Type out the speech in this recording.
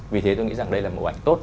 vì thế tôi nghĩ rằng đây là một ảnh tốt